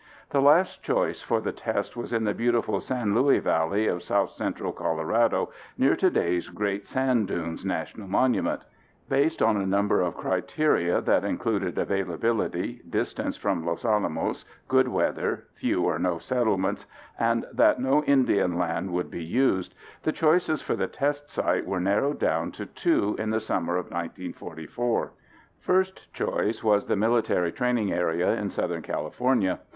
The last choice for the test was in the beautiful San Luis Valley of south central Colorado, near today's Great Sand Dunes National Monument. Based on a number of criteria that included availability, distance from Los Alamos, good weather, few or no settlements, and that no Indian land would be used, the choices for the test site were narrowed down to two in the summer of 1944. First choice was the military training area in southern California.